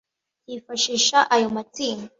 byifashisha ayo matsinda